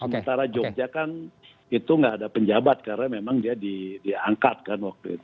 sementara jogja kan itu nggak ada penjabat karena memang dia diangkat kan waktu itu